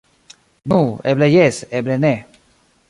Nu, eble jes, eble ne.